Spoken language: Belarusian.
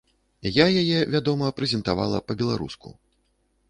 Я яе, вядома, прэзентавала па-беларуску.